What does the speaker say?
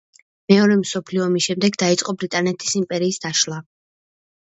მეორე მსოფლიო ომის შემდეგ დაიწყო ბრიტანეთის იმპერიის დაშლა.